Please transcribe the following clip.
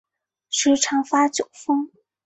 时常发酒疯